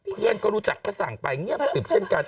เพื่อนก็รู้จักก็สั่งไปเงียบปริบเช่นกัน